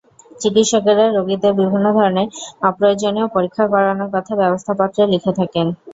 চিকিৎসকেরা রোগীদের বিভিন্ন ধরনের অপ্রয়োজনীয় পরীক্ষা করানোর কথা ব্যবস্থাপত্রে লিখে থাকেন।